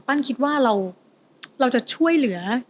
คิดว่าเราจะช่วยเหลือ